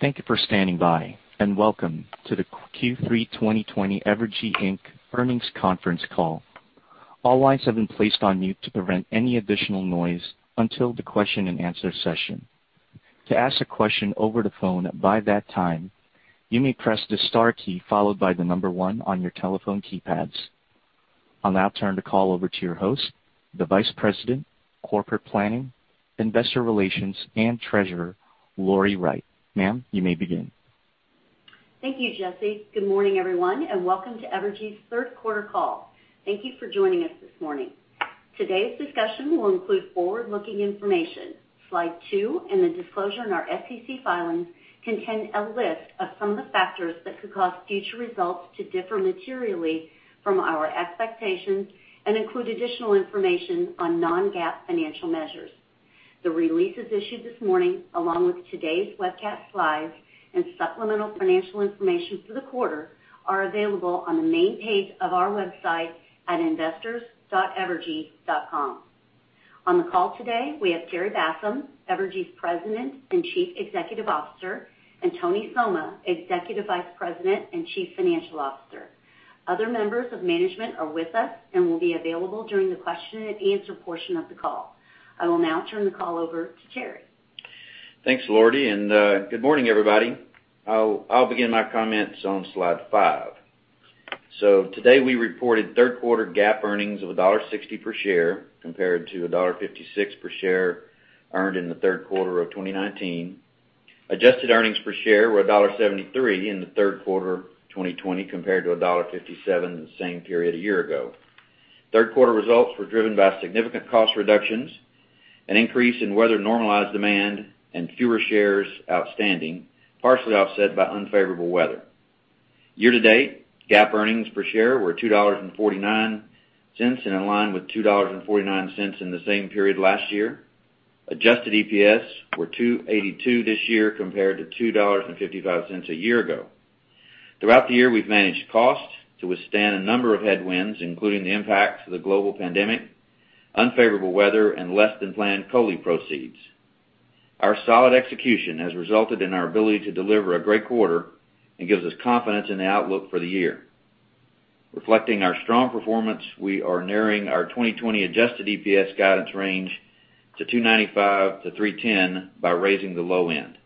Thank you for standing by. Welcome to the Q3 2020 Evergy Inc. earnings conference call. All lines have been placed on mute to prevent any additional noise until the question and answer session. To ask a question over the phone by that time, you may press the star key followed by the number one on your telephone keypads. I'll now turn the call over to your host, the Vice President, Corporate Planning, Investor Relations, and Treasurer, Lori Wright. Ma'am, you may begin. Thank you, Jesse. Good morning, everyone, and welcome to Evergy's third quarter call. Thank you for joining us this morning. Today's discussion will include forward-looking information. Slide two and the disclosure in our SEC filings contain a list of some of the factors that could cause future results to differ materially from our expectations and include additional information on non-GAAP financial measures. The releases issued this morning, along with today's webcast slides and supplemental financial information for the quarter, are available on the main page of our website at investors.evergy.com. On the call today, we have Terry Bassham, Evergy's President and Chief Executive Officer, and Tony Somma, Executive Vice President and Chief Financial Officer. Other members of management are with us and will be available during the question and answer portion of the call. I will now turn the call over to Terry. Thanks, Lori. Good morning, everybody. I'll begin my comments on slide five. Today, we reported third quarter GAAP earnings of $1.60 per share compared to $1.56 per share earned in the third quarter of 2019. Adjusted earnings per share were $1.73 in the third quarter 2020 compared to $1.57 the same period a year ago. Third quarter results were driven by significant cost reductions, an increase in weather-normalized demand, and fewer shares outstanding, partially offset by unfavorable weather. Year-to-date, GAAP earnings per share were $2.49 and in line with $2.49 in the same period last year. Adjusted EPS were $2.82 this year compared to $2.55 a year ago. Throughout the year, we've managed costs to withstand a number of headwinds, including the impact of the global pandemic, unfavorable weather, and less-than-planned COLI proceeds. Our solid execution has resulted in our ability to deliver a great quarter and gives us confidence in the outlook for the year. Reflecting our strong performance, we are narrowing our 2020 adjusted EPS guidance range to $2.95-$3.10 by raising the low end.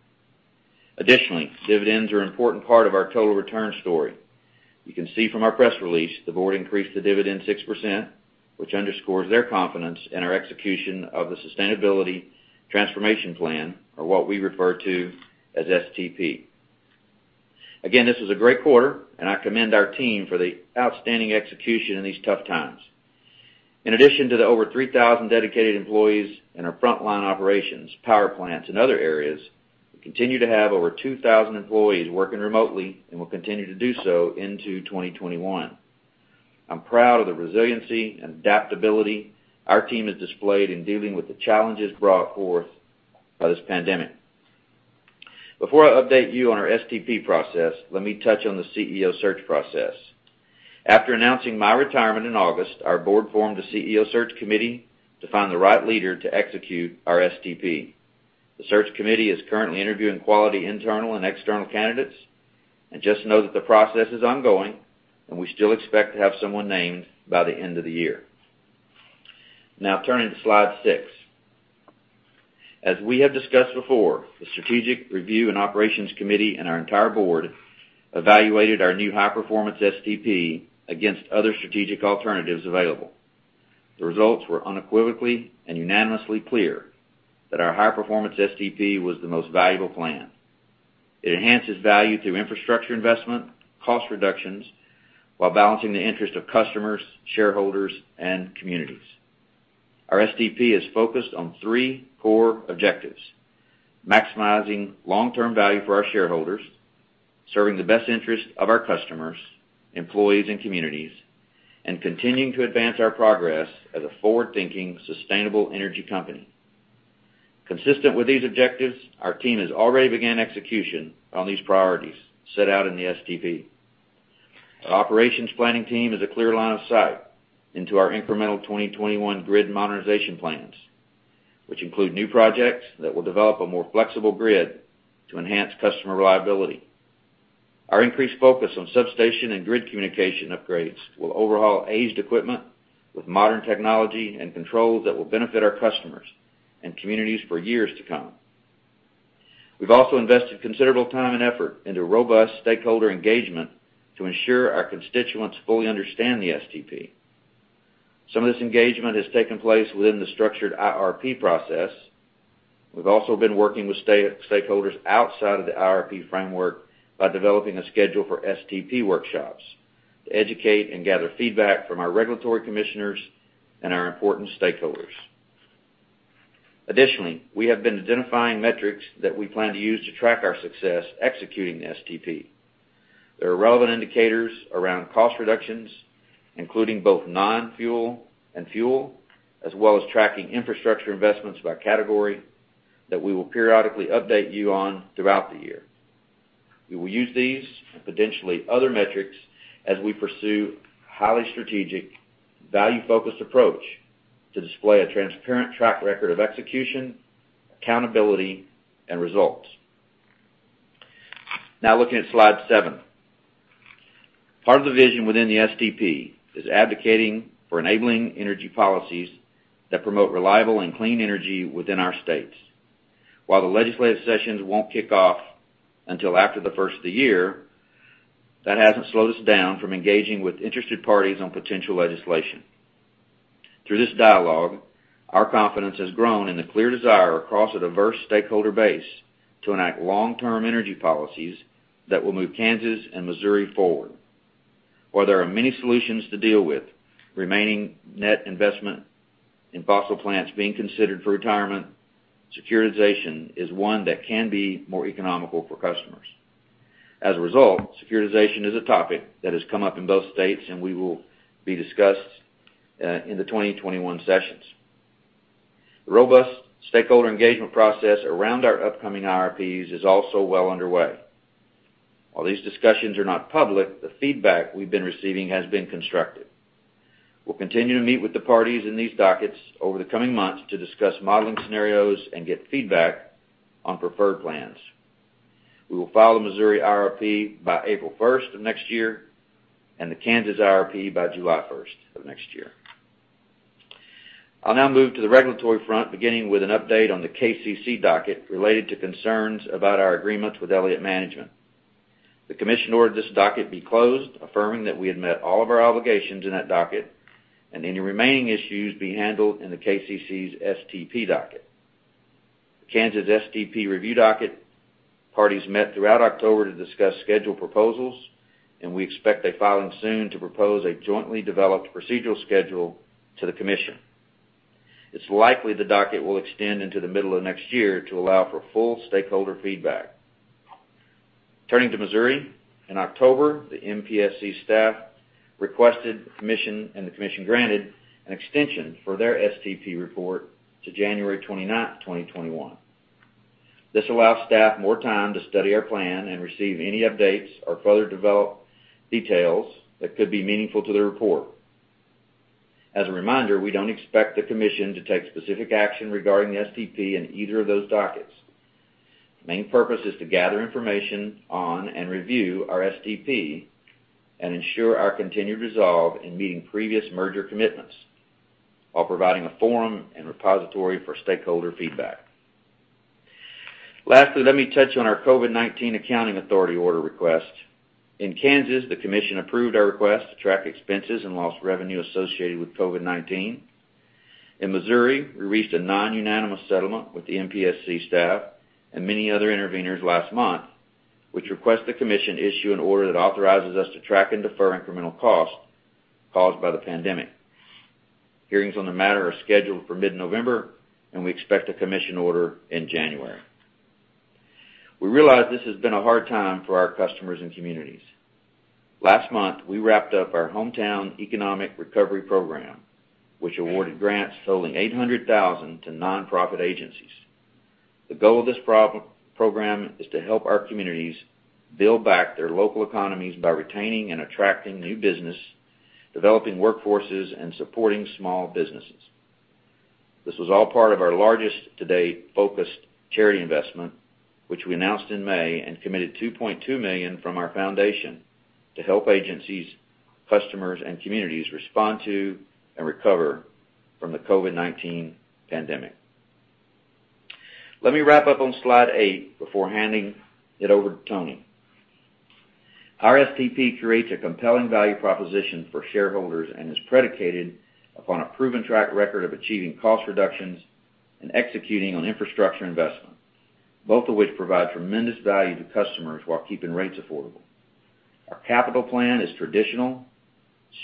Additionally, dividends are an important part of our total return story. You can see from our press release the board increased the dividend 6%, which underscores their confidence in our execution of the Sustainability Transformation Plan, or what we refer to as STP. Again, this was a great quarter, and I commend our team for the outstanding execution in these tough times. In addition to the over 3,000 dedicated employees in our frontline operations, power plants, and other areas, we continue to have over 2,000 employees working remotely and will continue to do so into 2021. I'm proud of the resiliency and adaptability our team has displayed in dealing with the challenges brought forth by this pandemic. Before I update you on our STP process, let me touch on the CEO search process. After announcing my retirement in August, our board formed a CEO search committee to find the right leader to execute our STP. The search committee is currently interviewing quality internal and external candidates. Just know that the process is ongoing, and we still expect to have someone named by the end of the year. Now turning to slide six. As we have discussed before, the Strategic Review and Operations Committee and our entire board evaluated our new high-performance STP against other strategic alternatives available. The results were unequivocally and unanimously clear that our high-performance STP was the most valuable plan. It enhances value through infrastructure investment, cost reductions, while balancing the interest of customers, shareholders, and communities. Our STP is focused on three core objectives: maximizing long-term value for our shareholders, serving the best interest of our customers, employees, and communities, and continuing to advance our progress as a forward-thinking, sustainable energy company. Consistent with these objectives, our team has already began execution on these priorities set out in the STP. Our operations planning team has a clear line of sight into our incremental 2021 grid modernization plans, which include new projects that will develop a more flexible grid to enhance customer reliability. Our increased focus on substation and grid communication upgrades will overhaul aged equipment with modern technology and controls that will benefit our customers and communities for years to come. We've also invested considerable time and effort into robust stakeholder engagement to ensure our constituents fully understand the STP. Some of this engagement has taken place within the structured IRP process. We've also been working with stakeholders outside of the IRP framework by developing a schedule for STP workshops to educate and gather feedback from our regulatory commissioners and our important stakeholders. Additionally, we have been identifying metrics that we plan to use to track our success executing the STP. There are relevant indicators around cost reductions, including both non-fuel and fuel, as well as tracking infrastructure investments by category that we will periodically update you on throughout the year. We will use these and potentially other metrics as we pursue highly strategic, value-focused approach to display a transparent track record of execution, accountability, and results. Now looking at slide seven. Part of the vision within the STP is advocating for enabling energy policies that promote reliable and clean energy within our states. While the legislative sessions won't kick off until after the first of the year, that hasn't slowed us down from engaging with interested parties on potential legislation. Through this dialogue, our confidence has grown in the clear desire across a diverse stakeholder base to enact long-term energy policies that will move Kansas and Missouri forward. While there are many solutions to deal with remaining net investment in fossil plants being considered for retirement, securitization is one that can be more economical for customers. As a result, securitization is a topic that has come up in both states, and will be discussed in the 2021 sessions. The robust stakeholder engagement process around our upcoming IRPs is also well underway. While these discussions are not public, the feedback we've been receiving has been constructive. We'll continue to meet with the parties in these dockets over the coming months to discuss modeling scenarios and get feedback on preferred plans. We will file the Missouri IRP by April 1st of next year, and the Kansas IRP by July 1st of next year. I'll now move to the regulatory front, beginning with an update on the KCC docket related to concerns about our agreements with Elliott Management. The commission ordered this docket be closed, affirming that we had met all of our obligations in that docket, and any remaining issues be handled in the KCC's STP docket. The Kansas STP review docket parties met throughout October to discuss scheduled proposals, and we expect a filing soon to propose a jointly developed procedural schedule to the commission. It's likely the docket will extend into the middle of next year to allow for full stakeholder feedback. Turning to Missouri, in October, the MPSC staff requested the Commission, and the Commission granted an extension for their STP report to January 29th, 2021. This allows staff more time to study our plan and receive any updates or further develop details that could be meaningful to the report. As a reminder, we don't expect the Commission to take specific action regarding the STP in either of those dockets. The main purpose is to gather information on and review our STP and ensure our continued resolve in meeting previous merger commitments while providing a forum and repository for stakeholder feedback. Lastly, let me touch on our COVID-19 accounting authority order request. In Kansas, the Commission approved our request to track expenses and lost revenue associated with COVID-19. In Missouri, we reached a non-unanimous settlement with the MPSC staff and many other interveners last month, which requests the commission issue an order that authorizes us to track and defer incremental costs caused by the pandemic. Hearings on the matter are scheduled for mid-November, and we expect a commission order in January. We realize this has been a hard time for our customers and communities. Last month, we wrapped up our Hometown Economic Recovery Program, which awarded grants totaling $800,000 to nonprofit agencies. The goal of this program is to help our communities build back their local economies by retaining and attracting new business, developing workforces, and supporting small businesses. This was all part of our largest to date focused charity investment, which we announced in May and committed $2.2 million from our foundation to help agencies, customers, and communities respond to and recover from the COVID-19 pandemic. Let me wrap up on slide eight before handing it over to Tony. Our STP creates a compelling value proposition for shareholders and is predicated upon a proven track record of achieving cost reductions and executing on infrastructure investment, both of which provide tremendous value to customers while keeping rates affordable. Our capital plan is traditional,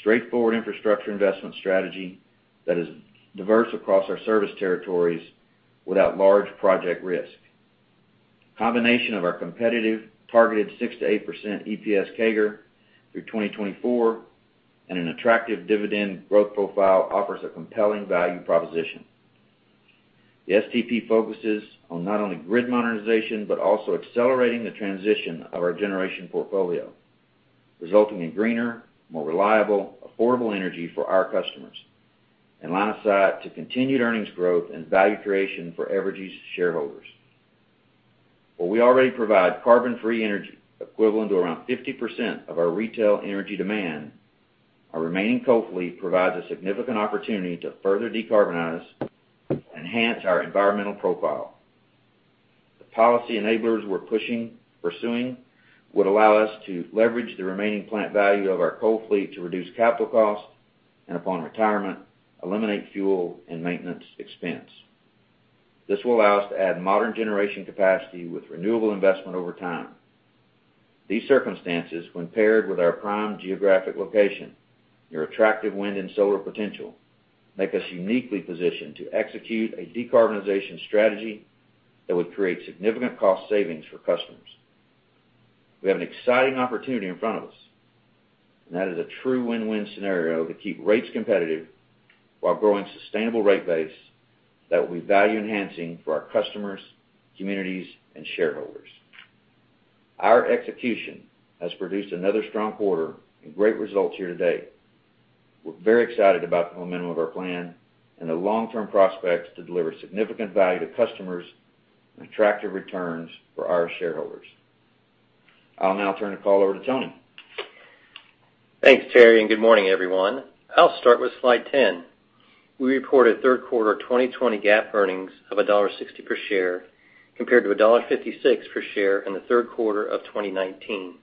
straightforward infrastructure investment strategy that is diverse across our service territories without large project risk. A combination of our competitive targeted 6%-8% EPS CAGR through 2024 and an attractive dividend growth profile offers a compelling value proposition. The STP focuses on not only grid modernization, but also accelerating the transition of our generation portfolio, resulting in greener, more reliable, affordable energy for our customers and line of sight to continued earnings growth and value creation for Evergy's shareholders. While we already provide carbon-free energy equivalent to around 50% of our retail energy demand, our remaining coal fleet provides a significant opportunity to further decarbonize and enhance our environmental profile. The policy enablers we're pursuing would allow us to leverage the remaining plant value of our coal fleet to reduce capital costs, and upon retirement, eliminate fuel and maintenance expense. This will allow us to add modern generation capacity with renewable investment over time. These circumstances, when paired with our prime geographic location and our attractive wind and solar potential, make us uniquely positioned to execute a decarbonization strategy that would create significant cost savings for customers. We have an exciting opportunity in front of us. That is a true win-win scenario to keep rates competitive while growing sustainable rate base that will be value enhancing for our customers, communities, and shareholders. Our execution has produced another strong quarter and great results here today. We're very excited about the momentum of our plan and the long-term prospects to deliver significant value to customers and attractive returns for our shareholders. I'll now turn the call over to Tony. Thanks, Terry. Good morning, everyone. I'll start with slide 10. We reported third quarter 2020 GAAP earnings of $1.60 per share, compared to $1.56 per share in the third quarter of 2019.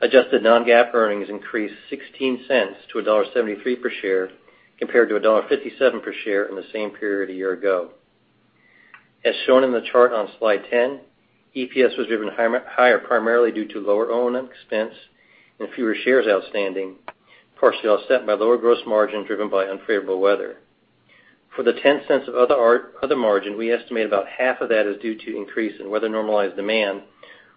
Adjusted non-GAAP earnings increased $0.16-$1.73 per share, compared to $1.57 per share in the same period a year ago. As shown in the chart on slide 10, EPS was driven higher primarily due to lower O&M expense and fewer shares outstanding, partially offset by lower gross margin driven by unfavorable weather. For the $0.10 of other margin, we estimate about half of that is due to increase in weather normalized demand,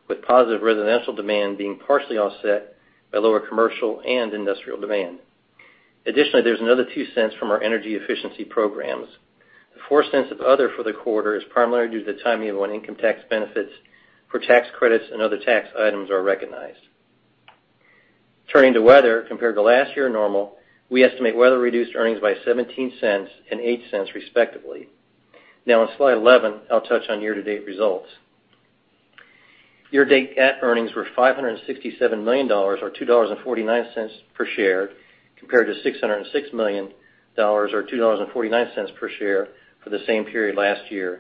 with positive residential demand being partially offset by lower commercial and industrial demand. Additionally, there's another $0.02 from our energy efficiency programs. The $0.04 of other for the quarter is primarily due to the timing of when income tax benefits for tax credits and other tax items are recognized. Turning to weather, compared to last year normal, we estimate weather reduced earnings by $0.17 and $0.08 respectively. Now, on slide 11, I'll touch on year-to-date results. Year-to-date GAAP earnings were $567 million, or $2.49 per share, compared to $606 million, or $2.49 per share for the same period last year.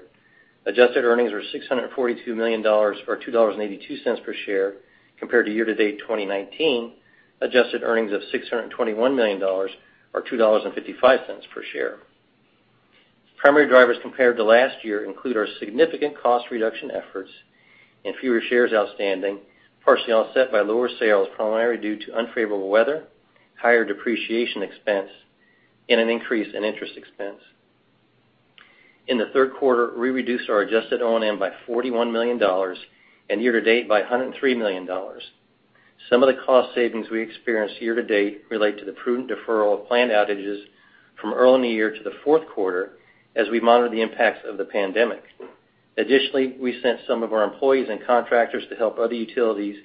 Adjusted earnings were $642 million, or $2.82 per share, compared to year-to-date 2019 adjusted earnings of $621 million, or $2.55 per share. Primary drivers compared to last year include our significant cost reduction efforts and fewer shares outstanding, partially offset by lower sales primarily due to unfavorable weather, higher depreciation expense, and an increase in interest expense. In the third quarter, we reduced our adjusted O&M by $41 million, and year-to-date by $103 million. Some of the cost savings we experienced year-to-date relate to the prudent deferral of planned outages from early in the year to the fourth quarter as we monitor the impacts of the pandemic. Additionally, we sent some of our employees and contractors to help other utilities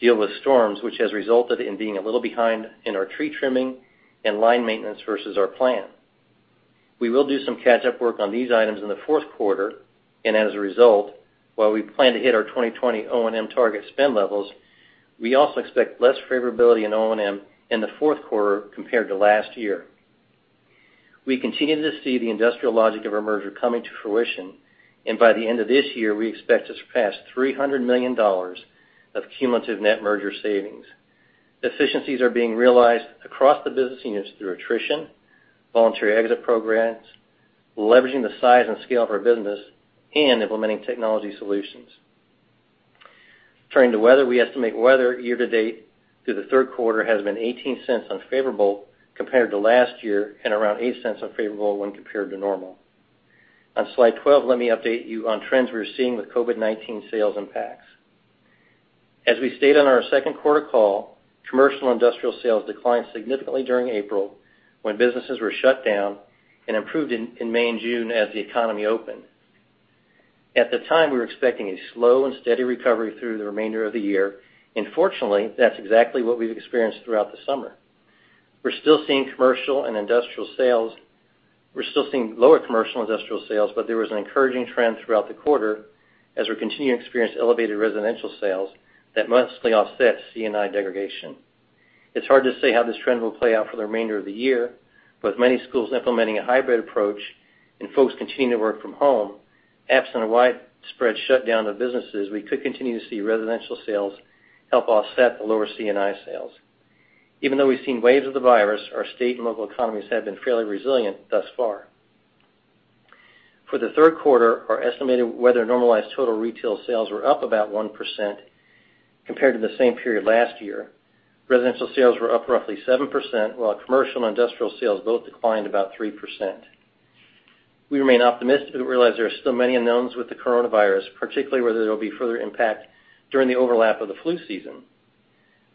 deal with storms, which has resulted in being a little behind in our tree trimming and line maintenance versus our plan. We will do some catch-up work on these items in the fourth quarter, and as a result, while we plan to hit our 2020 O&M target spend levels, we also expect less favorability in O&M in the fourth quarter compared to last year. We continue to see the industrial logic of our merger coming to fruition, and by the end of this year, we expect to surpass $300 million of cumulative net merger savings. Efficiencies are being realized across the business units through attrition, voluntary exit programs, leveraging the size and scale of our business, and implementing technology solutions. Turning to weather, we estimate weather year-to-date through the third quarter has been $0.18 unfavorable compared to last year and around $0.08 unfavorable when compared to normal. On slide 12, let me update you on trends we are seeing with COVID-19 sales impacts. As we stated on our second quarter call, commercial and industrial sales declined significantly during April when businesses were shut down and improved in May and June as the economy opened. At the time, we were expecting a slow and steady recovery through the remainder of the year, and fortunately, that's exactly what we've experienced throughout the summer. We're still seeing lower commercial and industrial sales, but there was an encouraging trend throughout the quarter as we continue to experience elevated residential sales that mostly offset C&I degradation. It's hard to say how this trend will play out for the remainder of the year, but with many schools implementing a hybrid approach and folks continuing to work from home, absent a widespread shutdown of businesses, we could continue to see residential sales help offset the lower C&I sales. Even though we've seen waves of the virus, our state and local economies have been fairly resilient thus far. For the third quarter, our estimated weather-normalized total retail sales were up about 1% compared to the same period last year. Residential sales were up roughly 7%, while commercial and industrial sales both declined about 3%. We remain optimistic but realize there are still many unknowns with the coronavirus, particularly whether there will be further impact during the overlap of the flu season.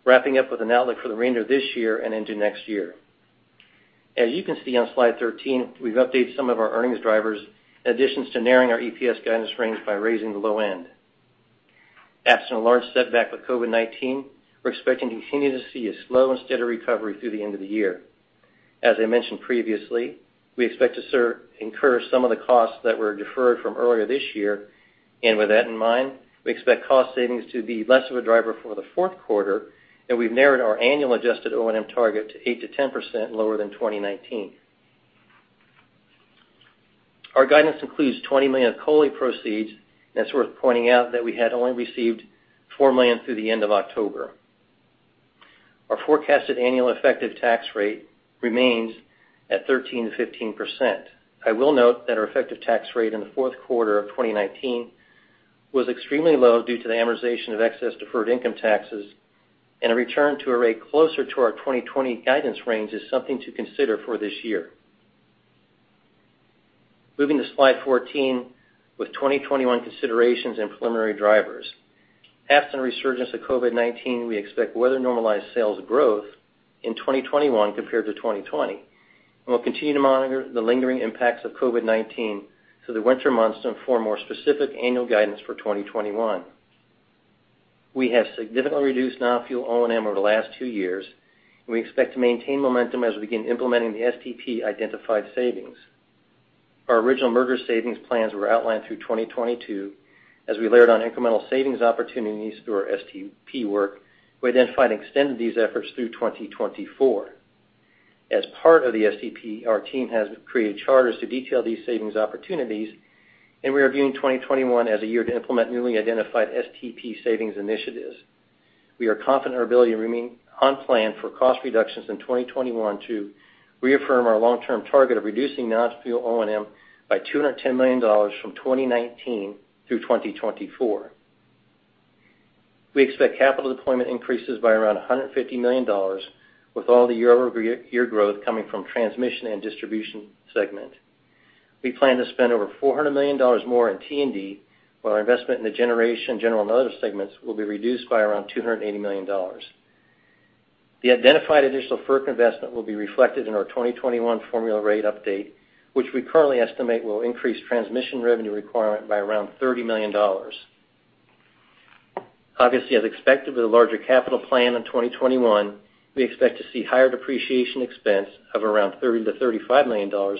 Wrapping up with an outlook for the remainder of this year and into next year. As you can see on slide 13, we've updated some of our earnings drivers in addition to narrowing our EPS guidance range by raising the low end. Absent a large setback with COVID-19, we're expecting to continue to see a slow and steady recovery through the end of the year. As I mentioned previously, we expect to incur some of the costs that were deferred from earlier this year. With that in mind, we expect cost savings to be less of a driver for the fourth quarter, we've narrowed our annual adjusted O&M target to 8%-10% lower than 2019. Our guidance includes $20 million of COLI proceeds. It's worth pointing out that we had only received $4 million through the end of October. Our forecasted annual effective tax rate remains at 13%-15%. I will note that our effective tax rate in the fourth quarter of 2019 was extremely low due to the amortization of excess deferred income taxes. A return to a rate closer to our 2020 guidance range is something to consider for this year. Moving to slide 14 with 2021 considerations and preliminary drivers. Absent resurgence of COVID-19, we expect weather-normalized sales growth in 2021 compared to 2020, and we'll continue to monitor the lingering impacts of COVID-19 through the winter months to inform more specific annual guidance for 2021. We have significantly reduced non-fuel O&M over the last two years, and we expect to maintain momentum as we begin implementing the STP identified savings. Our original merger savings plans were outlined through 2022, as we layered on incremental savings opportunities through our STP work, we identified and extended these efforts through 2024. As part of the STP, our team has created charters to detail these savings opportunities, and we are viewing 2021 as a year to implement newly identified STP savings initiatives. We are confident in our ability to remain on plan for cost reductions in 2021 to reaffirm our long-term target of reducing non-fuel O&M by $210 million from 2019 through 2024. We expect capital deployment increases by around $150 million with all the year-over-year growth coming from transmission and distribution segment. We plan to spend over $400 million more in T&D, while our investment in the generation general and other segments will be reduced by around $280 million. The identified additional FERC investment will be reflected in our 2021 formula rate update, which we currently estimate will increase transmission revenue requirement by around $30 million. Obviously, as expected, with a larger capital plan in 2021, we expect to see higher depreciation expense of around $30 million-$35 million,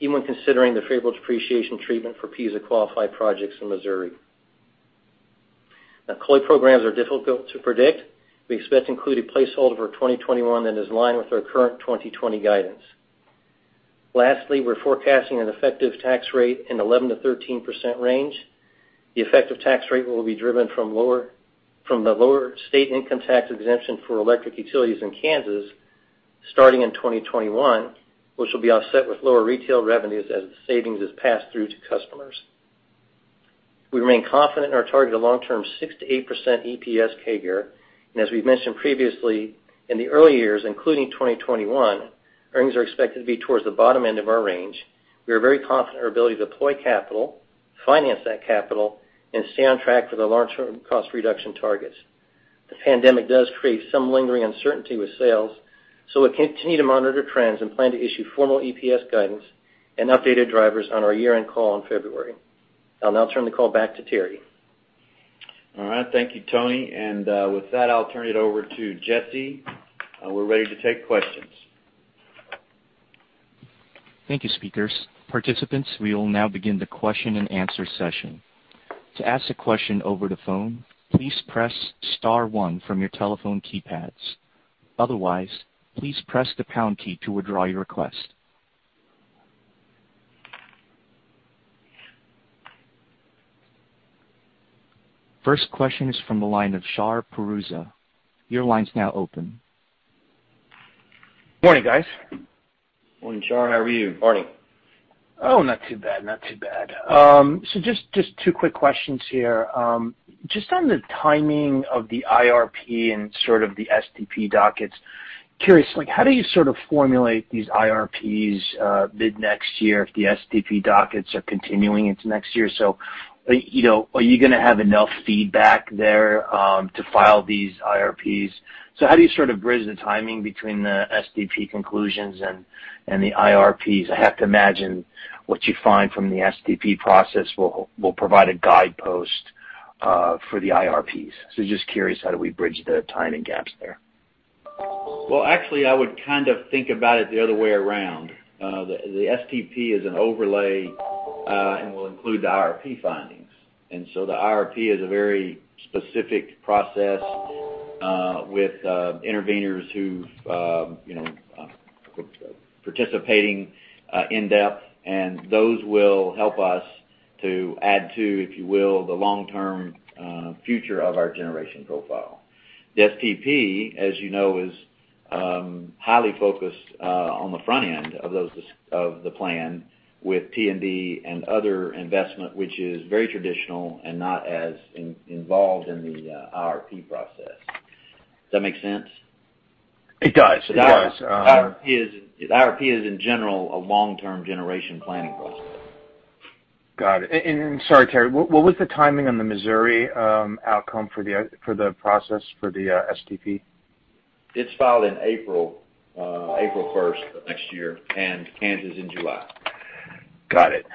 even when considering the favorable depreciation treatment for PISA-qualified projects in Missouri. Now, COLI programs are difficult to predict. We expect to include a placeholder for 2021 that is in line with our current 2020 guidance. Lastly, we're forecasting an effective tax rate in 11%-13% range. The effective tax rate will be driven from the lower state income tax exemption for electric utilities in Kansas starting in 2021, which will be offset with lower retail revenues as the savings is passed through to customers. We remain confident in our target of long-term 6%-8% EPS CAGR, and as we've mentioned previously, in the early years, including 2021, earnings are expected to be towards the bottom end of our range. We are very confident in our ability to deploy capital, finance that capital, and stay on track for the long-term cost reduction targets. The pandemic does create some lingering uncertainty with sales, so we'll continue to monitor trends and plan to issue formal EPS guidance and updated drivers on our year-end call in February. I'll now turn the call back to Terry. All right. Thank you, Tony. With that, I'll turn it over to Jesse. We're ready to take questions. Thank you, speakers. Participants, we will now begin the question and answer session. To ask a question over the phone, please press star one from your telephone keypads. Otherwise, please press the pound key to withdraw your request. First question is from the line of Shar Pourreza. Your line's now open. Morning, guys. Morning, Shar. How are you? Morning. Not too bad. Just two quick questions here. Just on the timing of the IRP and sort of the STP dockets. Curious, how do you sort of formulate these IRPs, mid next year if the STP dockets are continuing into next year? Are you going to have enough feedback there, to file these IRPs? How do you sort of bridge the timing between the STP conclusions and the IRPs? I have to imagine what you find from the STP process will provide a guidepost for the IRPs. Just curious, how do we bridge the timing gaps there? Well, actually, I would kind of think about it the other way around. The STP is an overlay, and will include the IRP findings. The IRP is a very specific process, with interveners who've, participating in-depth, and those will help us to add to, if you will, the long-term future of our generation profile. The STP, as you know, is highly focused on the front end of the plan with T&D and other investment, which is very traditional and not as involved in the IRP process. Does that make sense? It does. The IRP is, in general, a long-term generation planning process. Got it. Sorry, Terry, what was the timing on the Missouri outcome for the process for the STP? It's filed in April first of next year, and Kansas in July. Got it.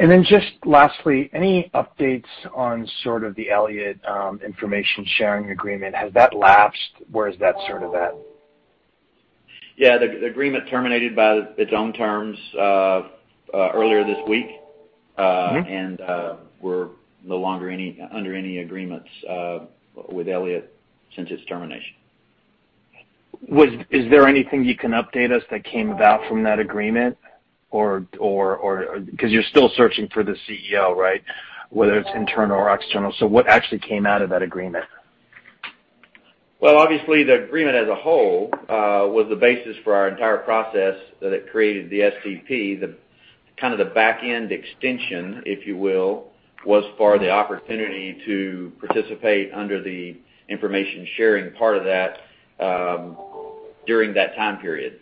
Then just lastly, any updates on sort of the Elliott information sharing agreement? Has that lapsed? Where is that sort of at? Yeah, the agreement terminated by its own terms earlier this week. We're no longer under any agreements with Elliott since its termination. Is there anything you can update us that came about from that agreement? You're still searching for the CEO, right, whether it's internal or external? What actually came out of that agreement? Well, obviously, the agreement as a whole was the basis for our entire process that it created the STP, the kind of the back-end extension, if you will, was for the opportunity to participate under the information sharing part of that. During that time period.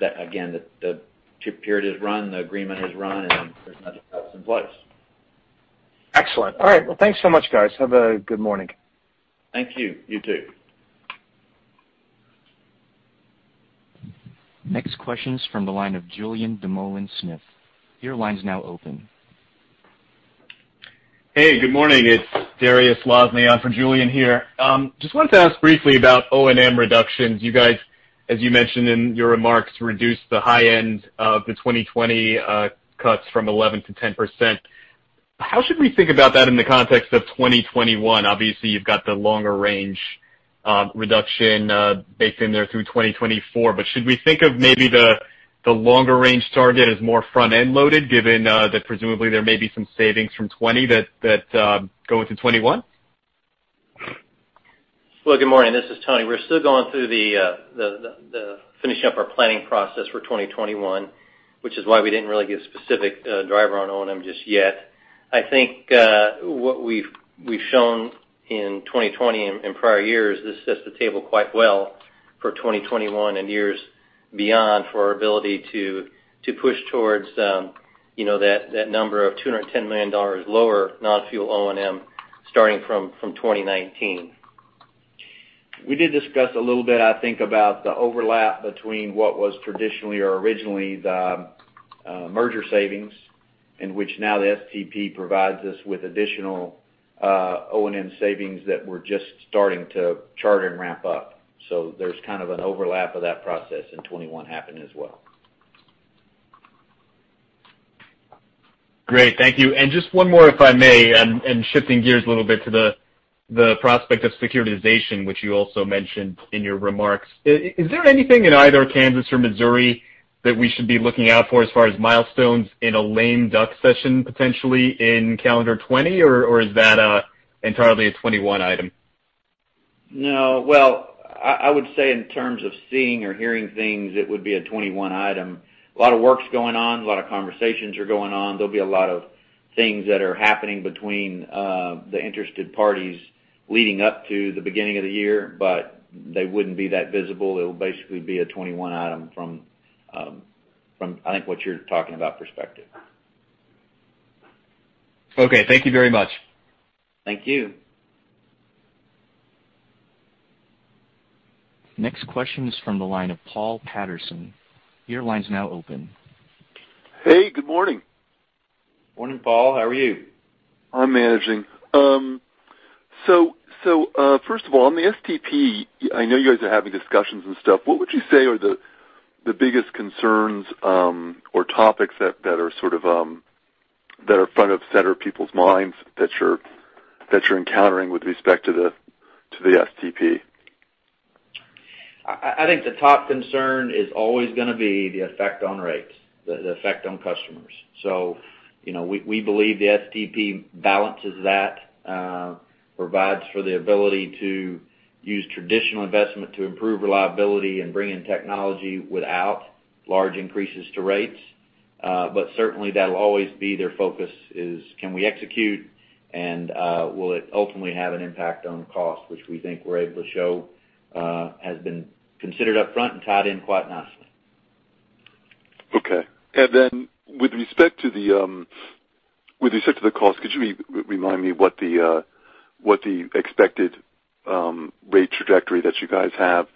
Again, the period is run, the agreement is run, and then there's another that's in place. Excellent. All right. Well, thanks so much, guys. Have a good morning. Thank you. You too. Next question is from the line of Julien Dumoulin-Smith. Your line's now open. Hey, good morning. It's Dariusz Lozny on for Julien here. Just wanted to ask briefly about O&M reductions. You guys, as you mentioned in your remarks, reduced the high end of the 2020 cuts from 11%-10%. How should we think about that in the context of 2021? Obviously, you've got the longer range reduction baked in there through 2024. Should we think of maybe the longer range target as more front-end loaded, given that presumably there may be some savings from 2020 that go into 2021? Well, good morning. This is Tony. We're still going through the finishing up our planning process for 2021, which is why we didn't really give specific driver on O&M just yet. I think what we've shown in 2020 and prior years, this sets the table quite well for 2021 and years beyond for our ability to push towards that number of $210 million lower non-fuel O&M starting from 2019. We did discuss a little bit, I think, about the overlap between what was traditionally or originally the merger savings, in which now the STP provides us with additional O&M savings that we're just starting to chart and ramp up. There's kind of an overlap of that process in 2021 happening as well. Great. Thank you. Just one more, if I may, and shifting gears a little bit to the prospect of securitization, which you also mentioned in your remarks. Is there anything in either Kansas or Missouri that we should be looking out for as far as milestones in a lame duck session, potentially in calendar 2020? Or is that entirely a 2021 item? No. Well, I would say in terms of seeing or hearing things, it would be a 2021 item. A lot of work's going on, a lot of conversations are going on. There'll be a lot of things that are happening between the interested parties leading up to the beginning of the year, but they wouldn't be that visible. It'll basically be a 2021 item from, I think, what you're talking about perspective. Okay. Thank you very much. Thank you. Next question is from the line of Paul Patterson. Your line's now open. Hey, good morning. Morning, Paul. How are you? I'm managing. First of all, on the STP, I know you guys are having discussions and stuff. What would you say are the biggest concerns or topics that are front of center of people's minds that you're encountering with respect to the STP? I think the top concern is always going to be the effect on rates, the effect on customers. We believe the STP balances that, provides for the ability to use traditional investment to improve reliability and bring in technology without large increases to rates. Certainly, that'll always be their focus is can we execute and will it ultimately have an impact on cost, which we think we're able to show has been considered up front and tied in quite nicely. Okay. With respect to the cost, could you remind me what the expected rate trajectory that you guys have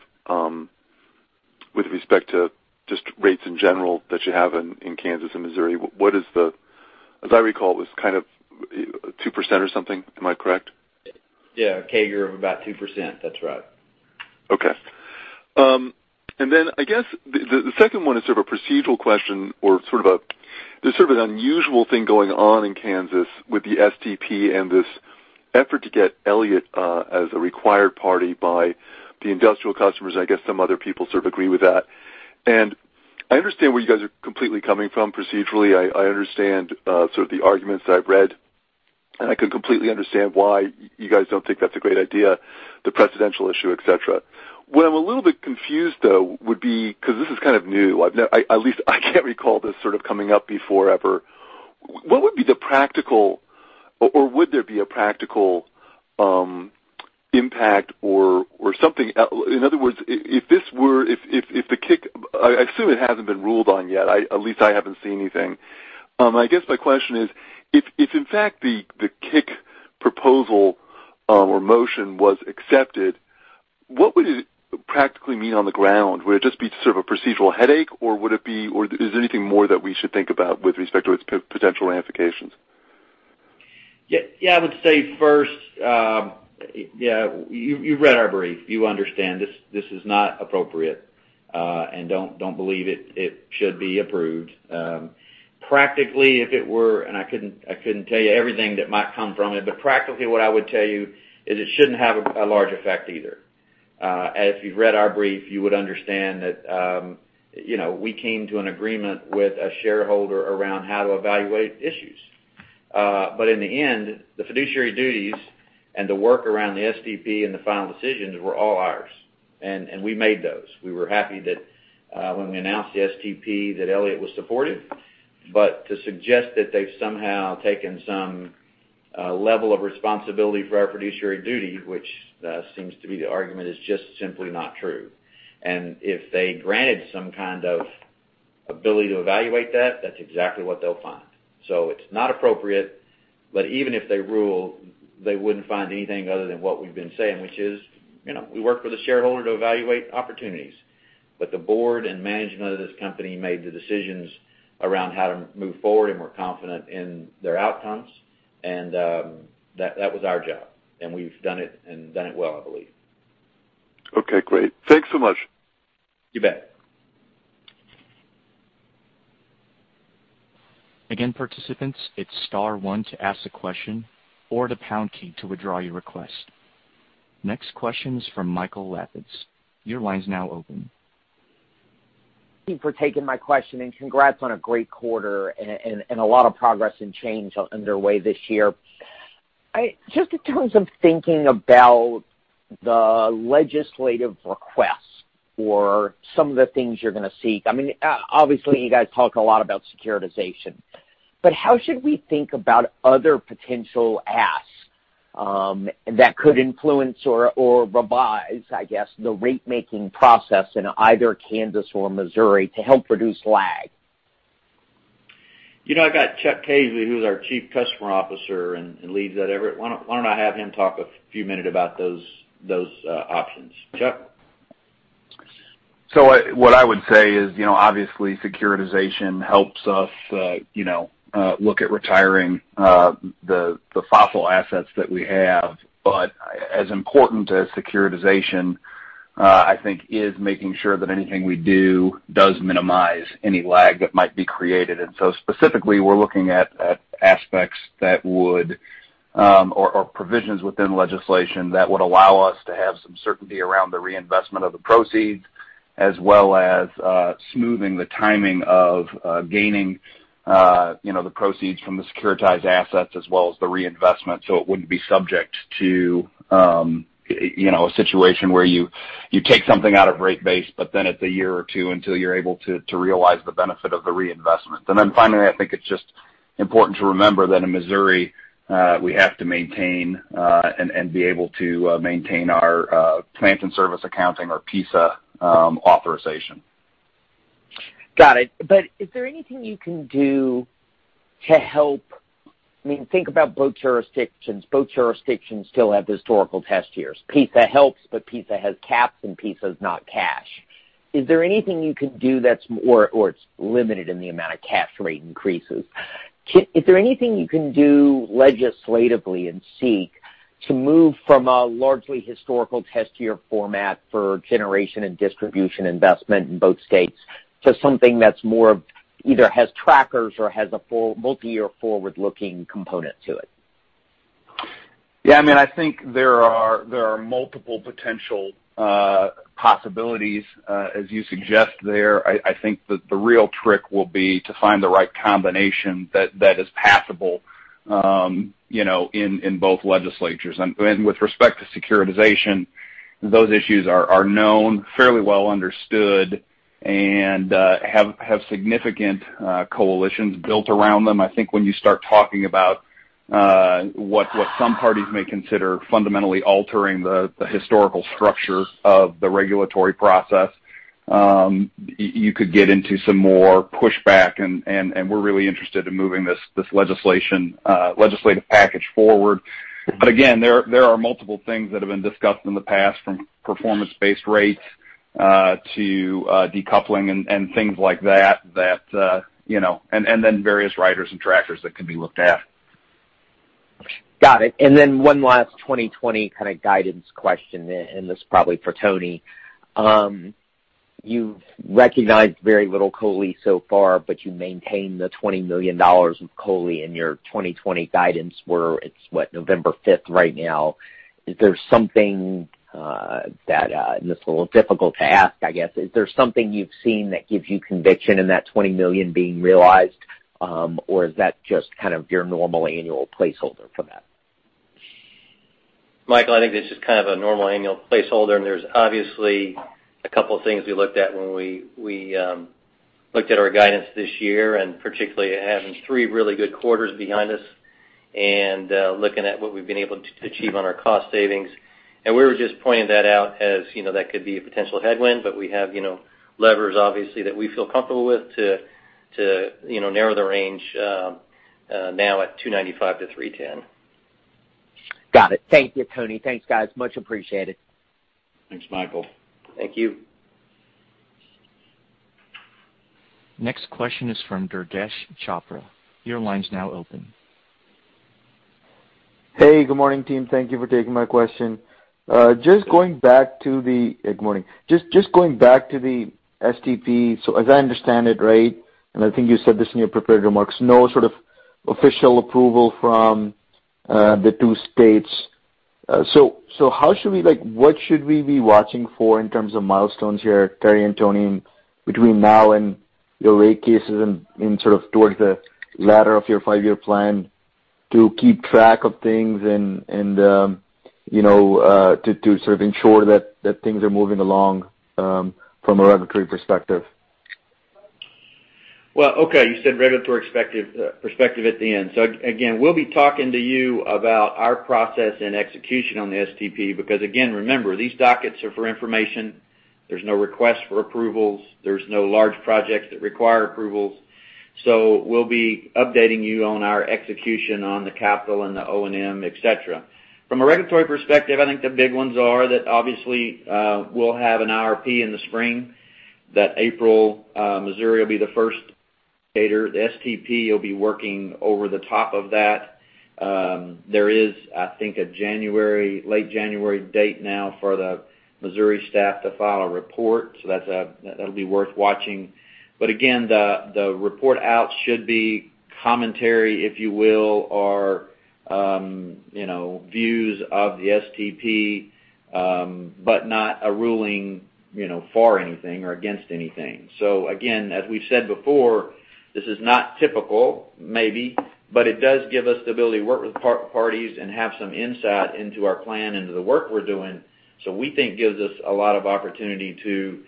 with respect to just rates in general that you have in Kansas and Missouri? As I recall, it was kind of 2% or something. Am I correct? Yeah. CAGR of about 2%. That's right. Okay. Then, I guess, the second one is sort of a procedural question or there's sort of an unusual thing going on in Kansas with the STP and this effort to get Elliott as a required party by the industrial customers, I guess some other people sort of agree with that. I understand where you guys are completely coming from procedurally. I understand sort of the arguments that I've read, I can completely understand why you guys don't think that's a great idea, the precedential issue, et cetera. Where I'm a little bit confused, though, would be, because this is kind of new. At least I can't recall this sort of coming up before, ever. What would be the practical or would there be a practical impact or something? In other words, I assume it hasn't been ruled on yet. At least I haven't seen anything. I guess my question is, if in fact the KCC proposal or motion was accepted, what would it practically mean on the ground? Would it just be sort of a procedural headache, or is there anything more that we should think about with respect to its potential ramifications? Yeah. I would say first, you've read our brief. You understand this is not appropriate, and don't believe it should be approved. Practically, if it were, and I couldn't tell you everything that might come from it, but practically what I would tell you is it shouldn't have a large effect either. As you've read our brief, you would understand that we came to an agreement with a shareholder around how to evaluate issues. In the end, the fiduciary duties and the work around the STP and the final decisions were all ours. We made those. We were happy that when we announced the STP, that Elliott was supportive. To suggest that they've somehow taken some level of responsibility for our fiduciary duty, which seems to be the argument, is just simply not true. If they granted some kind of ability to evaluate that's exactly what they'll find. It's not appropriate, but even if they rule, they wouldn't find anything other than what we've been saying, which is, we work with a shareholder to evaluate opportunities. The board and management of this company made the decisions around how to move forward, and we're confident in their outcomes. That was our job, and we've done it and done it well, I believe. Okay, great. Thanks so much. You bet. Again, participants, hit star one to ask a question or the pound key to withdraw your request. Next question is from Michael Lapides. Your line's now open. Thank you for taking my question, and congrats on a great quarter and a lot of progress and change underway this year. Just in terms of thinking about the legislative requests for some of the things you're going to seek. Obviously, you guys talk a lot about securitization. How should we think about other potential asks that could influence or revise, I guess, the rate-making process in either Kansas or Missouri to help reduce lag? I've got Chuck Caisley, who's our Chief Customer Officer and leads that effort. Why don't I have him talk a few minute about those options? Chuck? What I would say is, obviously, securitization helps us look at retiring the fossil assets that we have. As important as securitization, I think, is making sure that anything we do does minimize any lag that might be created. Specifically, we're looking at aspects or provisions within legislation that would allow us to have some certainty around the reinvestment of the proceeds, as well as smoothing the timing of gaining the proceeds from the securitized assets as well as the reinvestment. It wouldn't be subject to a situation where you take something out of rate base, but then it's a year or two until you're able to realize the benefit of the reinvestment. Finally, I think it's just important to remember that in Missouri, we have to maintain and be able to maintain our plant-in-service accounting, our PISA authorization. Got it. Is there anything you can do to think about both jurisdictions. Both jurisdictions still have historical test years. PISA helps, but PISA has caps, and PISA is not cash. Is there anything you can do that's more or it's limited in the amount of cash rate increases. Is there anything you can do legislatively in seek to move from a largely historical test year format for generation and distribution investment in both states to something that either has trackers or has a multi-year forward-looking component to it? Yeah, I think there are multiple potential possibilities, as you suggest there. I think that the real trick will be to find the right combination that is passable in both legislatures. With respect to securitization, those issues are known, fairly well understood, and have significant coalitions built around them. I think when you start talking about what some parties may consider fundamentally altering the historical structure of the regulatory process, you could get into some more pushback, and we're really interested in moving this legislative package forward. Again, there are multiple things that have been discussed in the past, from performance-based rates to decoupling and things like that, and then various riders and trackers that can be looked at. Got it. One last 2020 kind of guidance question, and this is probably for Tony. You've recognized very little COLI so far, but you maintain the $20 million of COLI in your 2020 guidance where it's, what, November 5th right now. Is there something that, and this is a little difficult to ask, I guess. Is there something you've seen that gives you conviction in that $20 million being realized? Or is that just kind of your normal annual placeholder for that? Michael, I think this is kind of a normal annual placeholder, and there's obviously a couple of things we looked at when we looked at our guidance this year, and particularly having three really good quarters behind us and looking at what we've been able to achieve on our cost savings. We were just pointing that out as that could be a potential headwind, but we have levers, obviously, that we feel comfortable with to narrow the range now at 295-310. Got it. Thank you, Tony. Thanks, guys. Much appreciated. Thanks, Michael. Thank you. Next question is from Durgesh Chopra. Your line is now open. Hey, good morning, team. Thank you for taking my question. Good morning. Just going back to the STP, as I understand it, right, and I think you said this in your prepared remarks, no sort of official approval from the two states. What should we be watching for in terms of milestones here, Terry and Tony, between now and your rate cases and sort of towards the latter of your five-year plan to keep track of things and to sort of ensure that things are moving along from a regulatory perspective? Okay. You said regulatory perspective at the end. Again, we'll be talking to you about our process and execution on the STP, because again, remember, these dockets are for information. There's no request for approvals. There's no large projects that require approvals. We'll be updating you on our execution on the capital and the O&M, et cetera. From a regulatory perspective, I think the big ones are that obviously, we'll have an IRP in the spring, that April, Missouri will be the first state. The STP will be working over the top of that. There is, I think, a late January date now for the Missouri staff to file a report. That'll be worth watching. Again, the report out should be commentary, if you will, or views of the STP, but not a ruling for anything or against anything. Again, as we've said before, this is not typical, maybe, but it does give us the ability to work with parties and have some insight into our plan, into the work we're doing. We think gives us a lot of opportunity to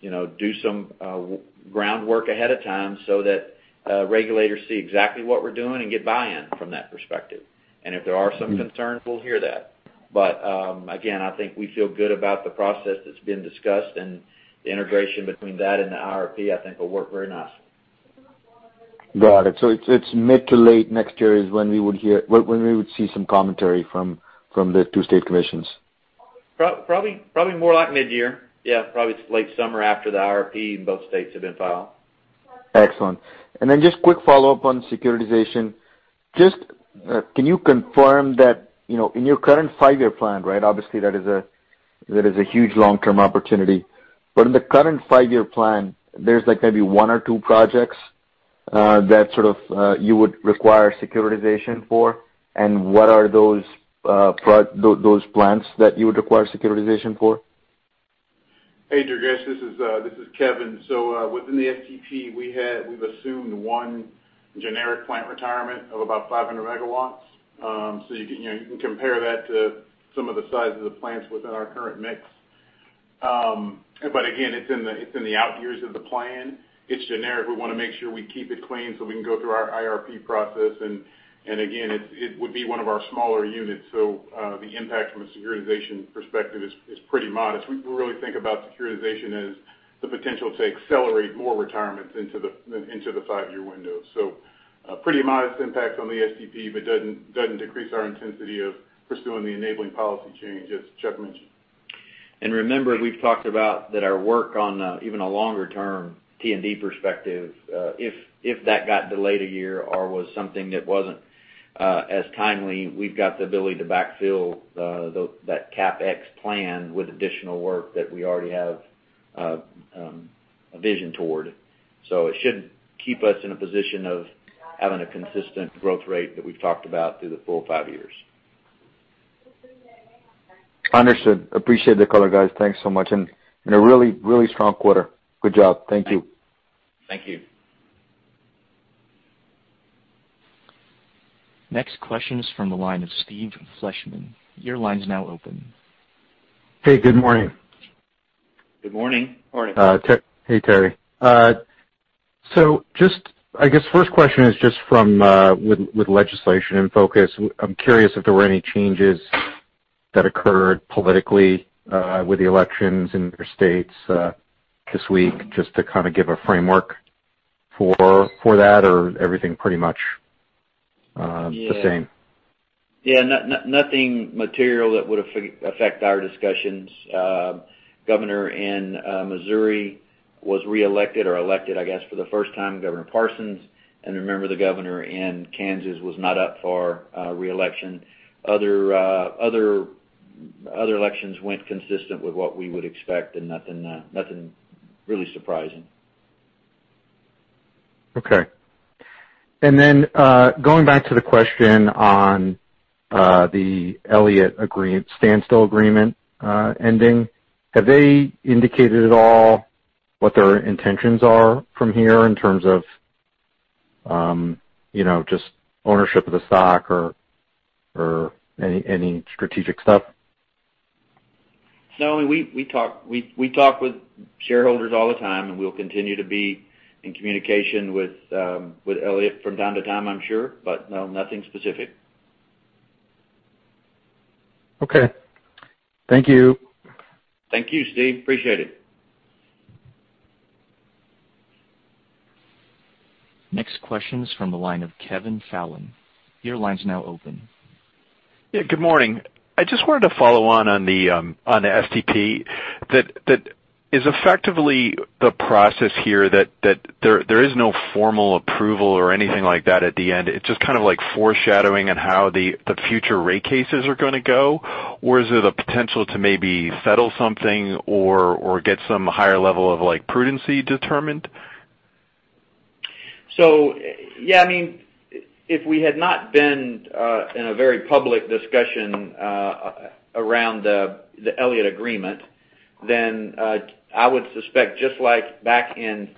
do some groundwork ahead of time so that regulators see exactly what we're doing and get buy-in from that perspective. If there are some concerns, we'll hear that. Again, I think we feel good about the process that's been discussed and the integration between that and the IRP, I think will work very nicely. Got it. It's mid to late next year is when we would see some commentary from the two state commissions. Probably more like mid-year. Yeah, probably late summer after the IRP and both states have been filed. Excellent. Just quick follow-up on securitization. Can you confirm that in your current five-year plan, obviously that is a huge long-term opportunity, but in the current five-year plan, there's maybe one or two projects that you would require securitization for? What are those plants that you would require securitization for? Hey, Durgesh, this is Kevin. Within the STP, we've assumed one generic plant retirement of about 500 MW. You can compare that to some of the sizes of plants within our current mix. Again, it's in the out years of the plan. It's generic. We want to make sure we keep it clean so we can go through our IRP process. Again, it would be one of our smaller units. The impact from a securitization perspective is pretty modest. We really think about securitization as the potential to accelerate more retirements into the five-year window. A pretty modest impact on the STP, but doesn't decrease our intensity of pursuing the enabling policy change, as Chuck mentioned. Remember, we've talked about that our work on even a longer-term T&D perspective, if that got delayed a year or was something that wasn't as timely, we've got the ability to backfill that CapEx plan with additional work that we already have a vision toward. It should keep us in a position of having a consistent growth rate that we've talked about through the full five years. Understood. Appreciate the color, guys. Thanks so much. A really, really strong quarter. Good job. Thank you. Thank you. Next question is from the line of Steve Fleishman. Your line's now open. Hey, good morning. Good morning. Morning. Hey, Terry. I guess first question is just with legislation in focus, I'm curious if there were any changes that occurred politically with the elections in your states this week, just to kind of give a framework for that or everything pretty much the same? Yeah. Nothing material that would affect our discussions. Governor in Missouri was reelected or elected, I guess, for the first time, Mike Parson. Remember, the governor in Kansas was not up for reelection. Other elections went consistent with what we would expect and nothing really surprising. Okay. Going back to the question on the Elliott standstill agreement ending, have they indicated at all what their intentions are from here in terms of just ownership of the stock or any strategic stuff? No, we talk with shareholders all the time, and we'll continue to be in communication with Elliott from time to time, I'm sure. No, nothing specific. Okay. Thank you. Thank you, Steve. Appreciate it. Next question is from the line of Kevin Fallon. Your line's now open. Yeah. Good morning. I just wanted to follow on the STP. Is effectively the process here that there is no formal approval or anything like that at the end? It's just kind of foreshadowing on how the future rate cases are going to go? Is it a potential to maybe settle something or get some higher level of prudency determined? Yeah, if we had not been in a very public discussion around the Elliott agreement, then I would suspect just like back in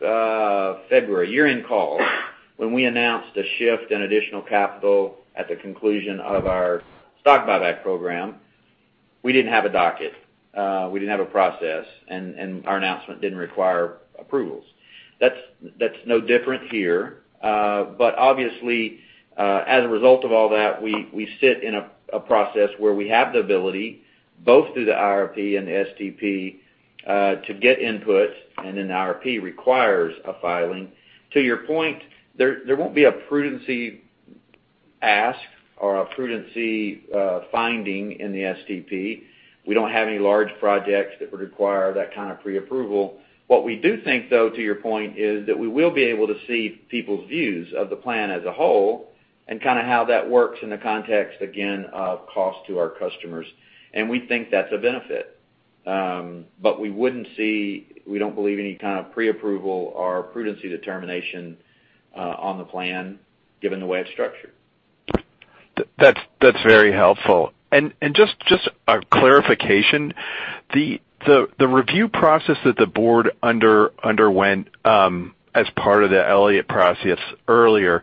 February year-end call, when we announced a shift in additional capital at the conclusion of our stock buyback program. We didn't have a docket. We didn't have a process, and our announcement didn't require approvals. That's no different here. Obviously, as a result of all that, we sit in a process where we have the ability, both through the IRP and the STP, to get input, and an IRP requires a filing. To your point, there won't be a prudency ask or a prudency finding in the STP. We don't have any large projects that would require that kind of pre-approval. What we do think, though, to your point, is that we will be able to see people's views of the plan as a whole and kind of how that works in the context, again, of cost to our customers. We think that's a benefit. We don't believe any kind of pre-approval or prudency determination on the plan given the way it's structured. That's very helpful. Just a clarification, the review process that the board underwent, as part of the Elliott process earlier,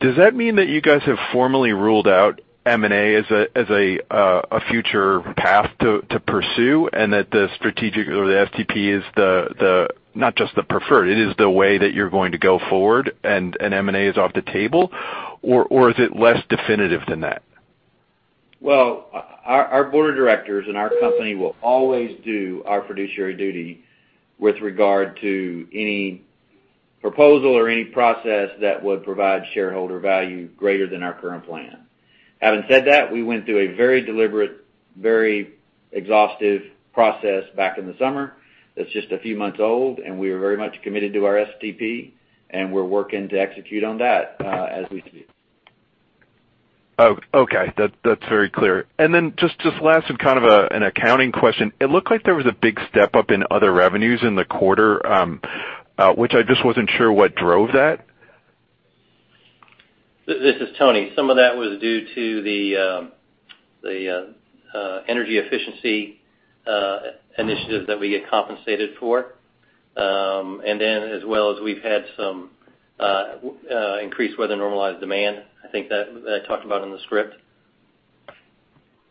does that mean that you guys have formally ruled out M&A as a future path to pursue, and that the strategic or the STP is not just the preferred, it is the way that you're going to go forward and M&A is off the table? Or is it less definitive than that? Well, our board of directors and our company will always do our fiduciary duty with regard to any proposal or any process that would provide shareholder value greater than our current plan. Having said that, we went through a very deliberate, very exhaustive process back in the summer that's just a few months old, and we are very much committed to our STP, and we're working to execute on that as we speak. Okay. That's very clear. Then just last, kind of an accounting question, it looked like there was a big step-up in other revenues in the quarter, which I just wasn't sure what drove that. This is Tony. Some of that was due to the energy efficiency initiative that we get compensated for. As well as we've had some increased weather normalized demand. I think that I talked about in the script.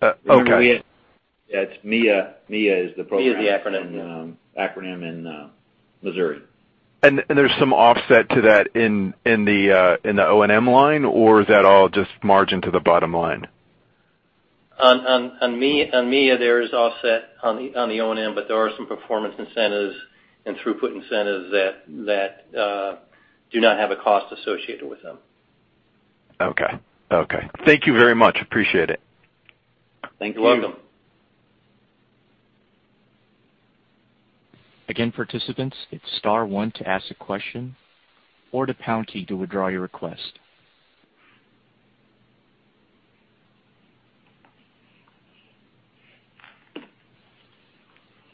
Okay. It's MEEIA. MEEIA is the program. MEEIA is the acronym. acronym in Missouri. There's some offset to that in the O&M line, or is that all just margin to the bottom line? On MEEIA, there is offset on the O&M, but there are some performance incentives and throughput incentives that do not have a cost associated with them. Okay. Thank you very much. Appreciate it. Thank you. You're welcome. Again, participants, hit star one to ask a question or the pound key to withdraw your request.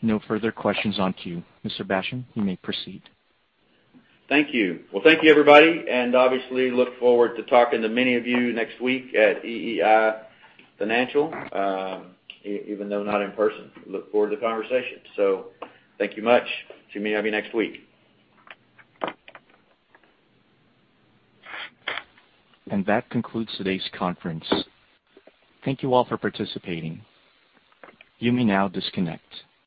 No further questions on queue, Mr. Bassham, you may proceed. Thank you. Well, thank you, everybody, and obviously look forward to talking to many of you next week at EEI Financial, even though not in person. Look forward to the conversation. Thank you much. See many of you next week. That concludes today's conference. Thank you all for participating. You may now disconnect.